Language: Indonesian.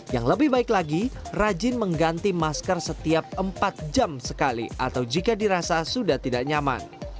yang lebih baik lagi rajin mengganti masker setiap empat jam sekali atau jika dirasa sudah tidak nyaman